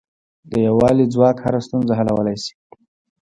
د یووالي ځواک هره ستونزه حل کولای شي.